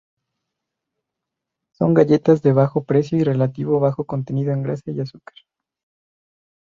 Son galletas de bajo precio y relativo bajo contenido en grasa y azúcar.